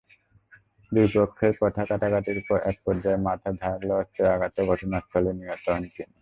দুই পক্ষের কথা-কাটাকাটির একপর্যায়ে মাথায় ধারালো অস্ত্রের আঘাতে ঘটনাস্থলেই তিনি নিহত হন।